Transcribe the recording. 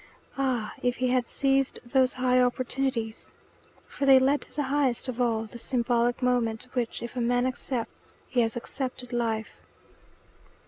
Ah, if he had seized those high opportunities! For they led to the highest of all, the symbolic moment, which, if a man accepts, he has accepted life.